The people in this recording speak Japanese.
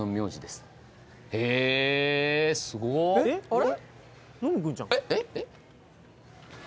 あれ？